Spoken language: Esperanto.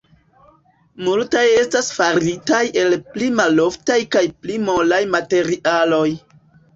Multaj estas faritaj el pli maloftaj kaj pli molaj materialoj.